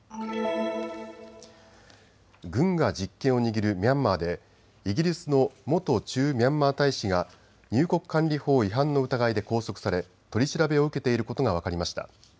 軍が実権を握るミャンマーでイギリスの元駐ミャンマー大使が入国管理法違反の疑いで拘束され取り調べを受けていることが分かりました。